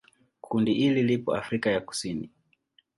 Kundi hili lipo Afrika ya Kusini.